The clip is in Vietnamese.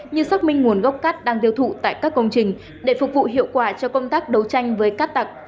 như xác minh nguồn gốc cát đang tiêu thụ tại các công trình để phục vụ hiệu quả cho công tác đấu tranh với cát tặc